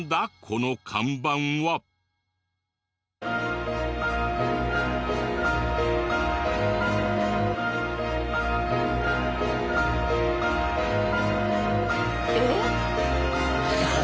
この看板は。えっ？